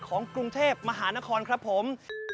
ของกรุงเทพมหานครครับผม